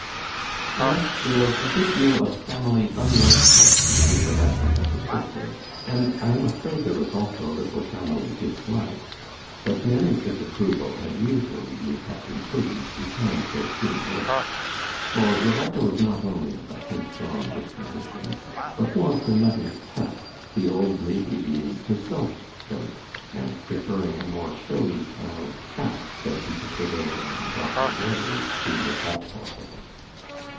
Thus there was a good deal of family unlikeness between Rebecca and her sister, and I am afraid there was also a little family dislike; but Mary's disapproval had usually been kept imprisoned behind her thin lips, for Rebecca was not only of a headstrong disposition, but was her mother's pet; the old lady being herself stout, and preferring a more showy style of cap than she could prevail on her daughter Mary to make up for her.